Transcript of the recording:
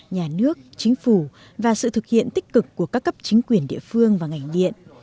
nhà nước chính phủ và sự thực hiện tích cực của các cấp chính quyền địa phương và ngành điện